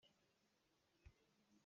Bia a rak ka chalh i kan i si.